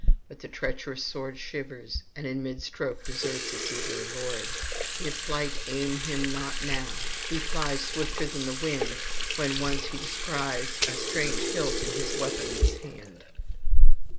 But the treacherous sword shivers, and in mid stroke deserts its eager lord. If flight aid him not now! He flies swifter than the wind, when once he descries a strange hilt in his weaponless hand.